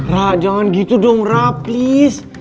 ra jangan gitu dong ra please